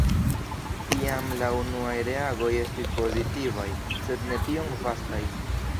Jam la unuaj reagoj estis pozitivaj, sed ne tiom vastaj.